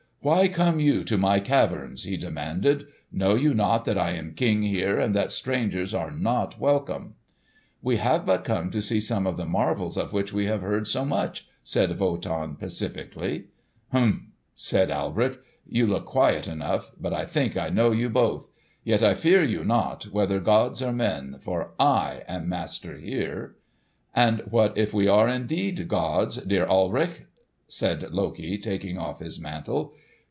"Why come you to my caverns?" he demanded. "Know you not that I am king here, and that strangers are not welcome?" "We have but come to see some of the marvels of which we have heard so much," said Wotan pacifically. "Humph!" said Alberich. "You look quiet enough, but I think I know you both. Yet I fear you not, whether gods or men; for I am master here." "And what if we are indeed gods, dear Alberich?" said Loki, taking off his mantle.